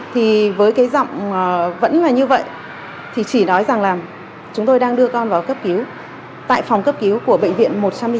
thì với cái giọng vẫn là như vậy thì chỉ nói rằng là chúng tôi đang đưa con vào cấp cứu tại phòng cấp cứu của bệnh viện một trăm linh sáu